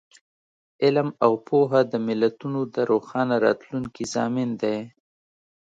علم او پوهه د ملتونو د روښانه راتلونکي ضامن دی.